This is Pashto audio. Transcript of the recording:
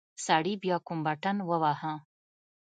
سړي بيا کوم بټن وواهه.